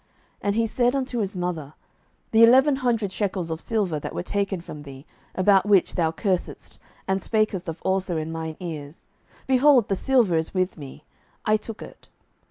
07:017:002 And he said unto his mother, The eleven hundred shekels of silver that were taken from thee, about which thou cursedst, and spakest of also in mine ears, behold, the silver is with me; I took it.